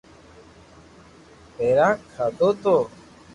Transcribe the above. پآزا کاڌو تو